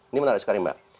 ini menarik sekali mbak